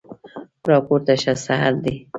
راپورته شه سحر دی